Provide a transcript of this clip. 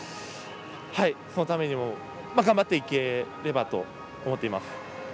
そのためにも頑張っていければと思っています。